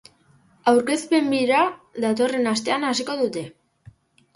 Aurkezpen bira datorren astean hasiko dute.